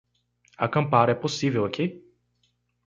Acampar é possível aqui?